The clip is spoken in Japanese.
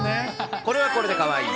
これはこれでかわいい。